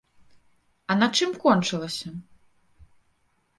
А на чым кончылася?